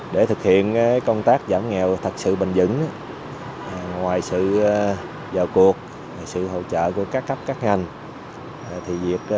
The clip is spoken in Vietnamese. để thực hiện công tác giảm nghèo thật sự bình dững ngoài sự vào cuộc sự hỗ trợ của các cấp các ngành